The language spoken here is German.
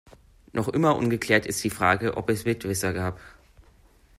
Noch immer ungeklärt ist die Frage, ob es Mitwisser gab.